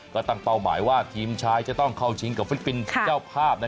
ก็ตั้งเป้าหมายว่าทีมชายจะต้องเข้าชิงกับฟิลิปปินส์เจ้าภาพ